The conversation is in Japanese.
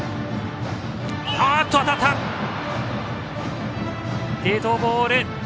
当たった、デッドボール。